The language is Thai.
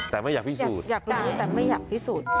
แต่ไม่อยากพิสูจน์